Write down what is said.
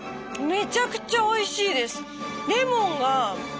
めちゃくちゃおいしい。